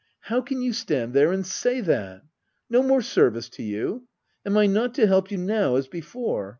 How can you stand there and say that ! No more service to you! Am I not to help you now, as before